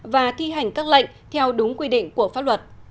và thi hành các lệnh theo đúng quy định của pháp luật